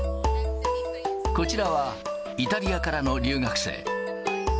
こちらはイタリアからの留学生。